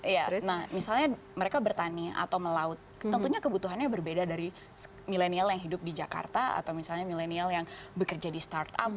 iya terus misalnya mereka bertani atau melaut tentunya kebutuhannya berbeda dari milenial yang hidup di jakarta atau misalnya milenial yang bekerja di startup